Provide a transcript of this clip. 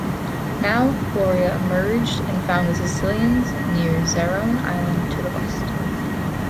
Now Lauria emerged and found the Sicilians near Zannone Island to the west.